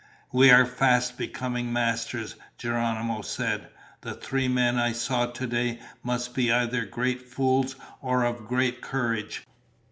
"We are fast becoming masters," Geronimo said. "The three men I saw today must be either great fools or of great courage.